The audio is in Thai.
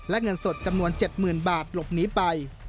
และเงินสดจำนวน๗๐๐๐บาทหลบหนีไป